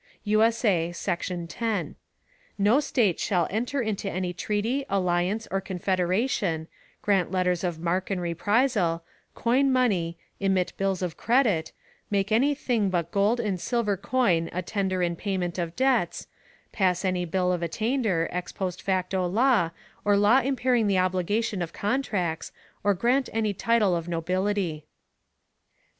_ [USA] Section 10. No State shall enter into any Treaty, Alliance, or Confederation; grant Letters of Marque and Reprisal; coin Money; emit Bills of Credit; make any Thing but gold and silver Coin a Tender in Payment of Debts; pass any Bill of Attainder, ex post facto Law, or Law impairing the Obligation of Contracts, or grant any Title of Nobility.